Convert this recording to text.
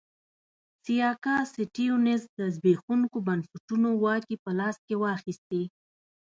سیاکا سټیونز د زبېښونکو بنسټونو واګې په لاس کې واخیستې.